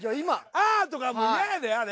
あぁ！とかもう嫌やであれ。